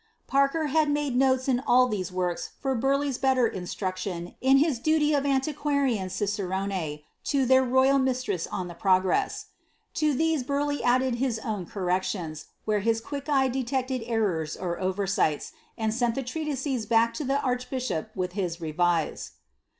Parker had made notes in all these works for Bur leigh's better instruction in his duty of antiquarian cicerone to their royal mistress on the progress. To these Burleigh added his own cor* rections, where his quick eye detected errors or oversights, and sent the treatises back to the archbishop with his revise.